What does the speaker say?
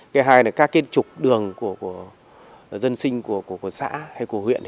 cái hai là các trục đường của dân sinh của xã hay của huyện